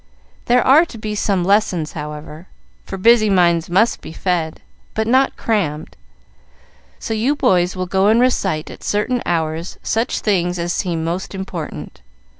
There are to be some lessons, however, for busy minds must be fed, but not crammed; so you boys will go and recite at certain hours such things as seem most important.